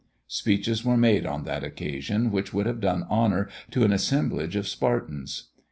Speeches were made on that occasion, which would have done honour to an assemblage of Spartans.